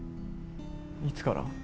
いつから？